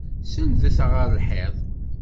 Senndet ɣer lḥiḍ!